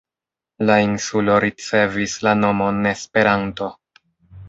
La insulo ricevis la nomon "Esperanto".